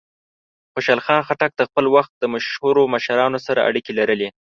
خوشحال خان خټک د خپل وخت د مشهورو مشرانو سره اړیکې لرلې.